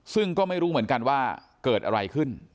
ซึ่งก็ไม่รู้เหมือนกันว่าเกิดอะไรขึ้น